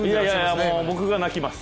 もう、僕が泣きます。